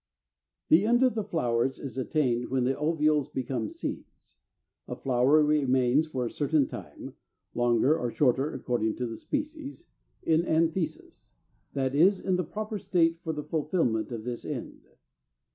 328. The end of the flower is attained when the ovules become seeds. A flower remains for a certain time (longer or shorter according to the species) in anthesis, that is, in the proper state for the fulfilment of this end.